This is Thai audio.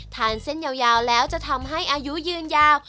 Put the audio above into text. ทานเส้นยาวแล้วจะทำให้อายุยืนยาว